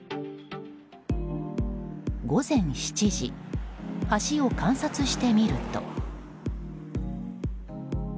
午前７時、橋を観察してみると。